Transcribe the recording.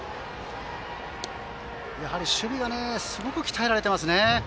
守備はすごく鍛えられていますね。